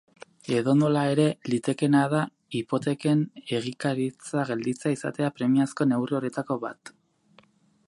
Edonola ere, litekeena da hipoteken egikaritza gelditzea izatea premiazko neurri horietako bat.